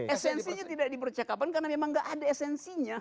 esensinya tidak dipercakapan karena memang nggak ada esensinya